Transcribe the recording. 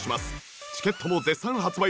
チケットも絶賛発売中。